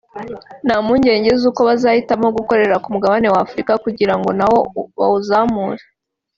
nta mpungenge z’uko bazahitamo gukorera ku mugabane wa Afurika kugira ngo nawo bawuzamure